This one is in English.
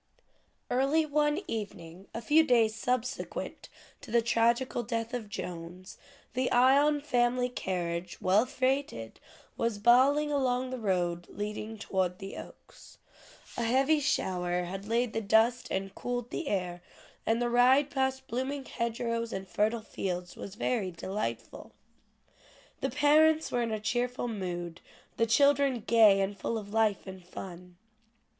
Early one evening, a few days subsequent to the tragical death of Jones, the Ion family carriage, well freighted, was bowling along the road leading toward the Oaks. A heavy shower had laid the dust and cooled the air, and the ride past blooming hedgerows, and fertile fields was very delightful. The parents were in cheerful mood, the children gay and full of life and fun.